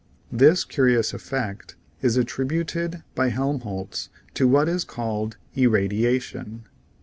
This curious effect is attributed by Helmholtz to what is called irradiation.